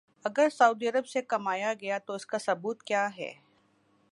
اگر سعودی عرب سے کمایا گیا تو اس کا ثبوت کیا ہے؟